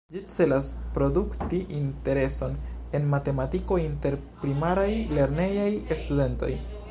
Ĝi celas produkti intereson en matematiko inter Primaraj lernejaj studentoj.